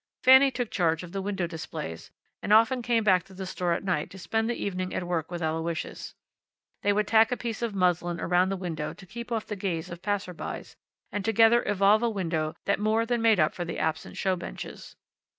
Fanny took charge of the window displays, and often came back to the store at night to spend the evening at work with Aloysius. They would tack a piece of muslin around the window to keep off the gaze of passers by, and together evolve a window that more than made up for the absent show benches.